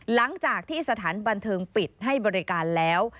หลังจากที่สถานบันเทิงปิดให้บริการแล้ว